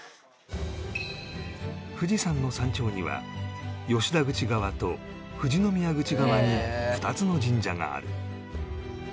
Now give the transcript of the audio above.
富士山の山頂には吉田口側と富士宮口側に２つの神社がある